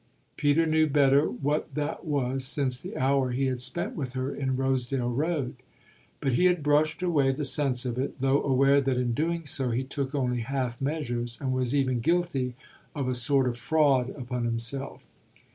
Peter knew better what that was since the hour he had spent with her in Rosedale Road. But he had brushed away the sense of it, though aware that in doing so he took only half measures and was even guilty of a sort of fraud upon himself.